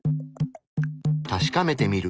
確かめてみる。